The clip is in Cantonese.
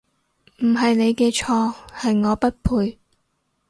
唔係你嘅錯，係我不配